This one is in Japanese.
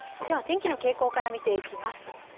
では天気の傾向から見ていきます。